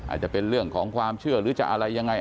อาจจะเป็นเรื่องของความเชื่อหรือจะอะไรยังไง